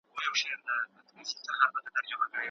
د رایې ورکولو حق په اوسني نظام کي نه کارول کیږي.